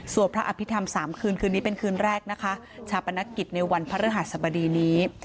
พระอภิษฐรรม๓คืนคืนนี้เป็นคืนแรกนะคะชาปนกิจในวันพระฤหัสบดีนี้